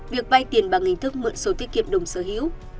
việc vay tiền bằng hình thức mượn số tiết kiệm đồng sở hữu